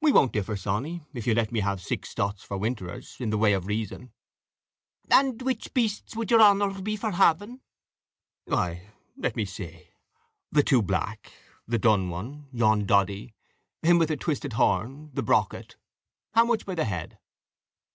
"We won't differ, Sawney, if you let me have six stots for winterers, in the way of reason." "And which peasts wad your honour pe for having?" "Why, let me see the two black the dun one yon doddy him with the twisted horn the brockit. How much by the head?"